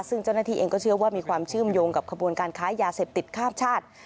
ซึ่งเจ้าหน้าที่เองก็เชื่อว่ามีความเชื่อมโยงกับขบวนการค้ายาเสพติดข้ามชาติ